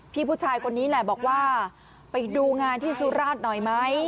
ผู้ชายคนนี้แหละบอกว่าไปดูงานที่สุราชหน่อยไหม